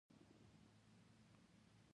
اخبار اللودي احمد بن سعيد الودي اثر دﺉ.